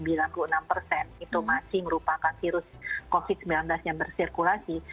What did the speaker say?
itu masih merupakan virus covid sembilan belas yang bersirkulasi